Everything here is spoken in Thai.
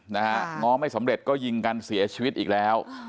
ง้อไม่สำเร็จก็ยิงกันเสียชีวิตอีกแล้ว